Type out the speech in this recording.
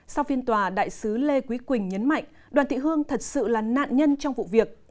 sau phiên tòa đại sứ lê quý quỳnh nhấn mạnh đoàn thị hương thật sự là nạn nhân trong vụ việc